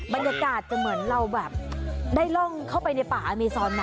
บรรยากาศจะเหมือนเราแบบได้ร่องเข้าไปในป่าอเมซอนไหม